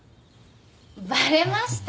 バレました？